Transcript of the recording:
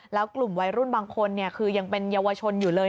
แล้วกลุ่มวัยรุ่นบางคนคือยังเป็นเยาวชนอยู่เลย